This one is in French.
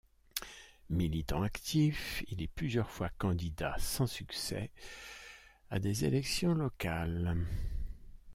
Militant actif, il est plusieurs fois candidat, sans succès, à des élections locales.